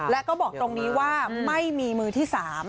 และก็บอกตรงนี้ว่าไม่มีมือที่๓